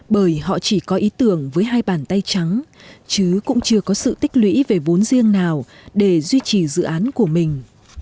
bởi họ chỉ có ý tưởng với hai bàn tay trắng chứ cũng chưa có sự tích lũy về vốn riêng nào để duy trì dự án của mình